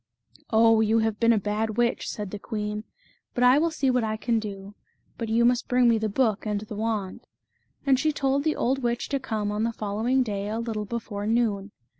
" O, you have been a bad witch", said the queen, " but I will see what I can do ; but you must bring me the book and the wand"; and she told the <51d witch to come on the following day a little before noon.